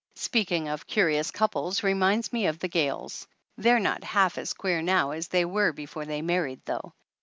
Speaking of curious couples reminds me of the Gayles. They're not half as queer now as they were before they married though.